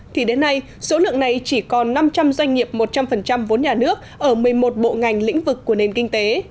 thì đến nay số lượng này chỉ còn năm trăm linh doanh nghiệp một trăm linh vốn nhà nước ở một mươi một bộ ngành lĩnh vực của nền kinh tế